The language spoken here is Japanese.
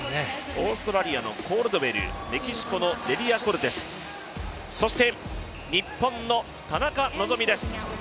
オーストラリアのコールドウェル、メキシコ、コルテス、そして日本の田中希実です。